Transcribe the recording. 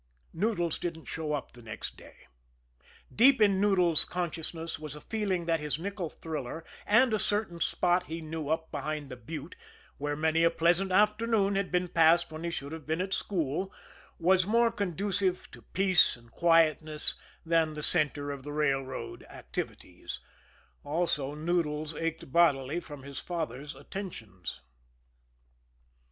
Noodles didn't show up the next day. Deep in Noodles' consciousness was a feeling that his nickel thriller and a certain spot he knew up behind the butte, where many a pleasant afternoon had been passed when he should have been at school, was more conducive to peace and quietness than the center of railroad activities also Noodles ached bodily from his father's attentions.